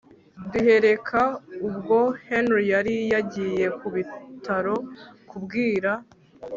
Duhereka Ubwo Henry yari yagiye kubitaro kumbwira